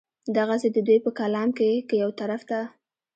دغسې د دوي پۀ کلام کښې کۀ يو طرف ته